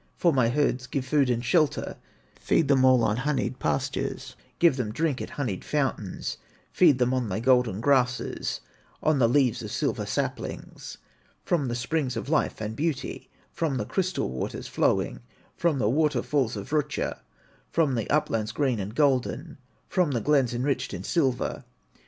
"For my herds give food and shelter, Feed them all on honeyed pastures, Give them drink at honeyed fountains Feed them on thy golden grasses, On the leaves of silver saplings, From the springs of life and beauty, From the crystal waters flowing, From the waterfalls of Rutya, From the uplands green and golden, From the glens enriched in silver.